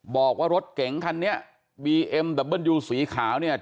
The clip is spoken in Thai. บอกว่ารถเก๋งคันนี้บีเอ็มดับเบิ้ลยูสีขาวเนี่ย